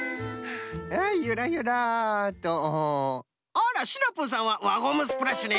あらシナプーさんは輪ゴムスプラッシュね！